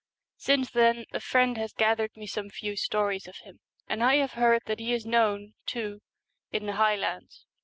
Since then a friend has gathered me some few stories of him, and I have heard that he is known, too, in the highlands.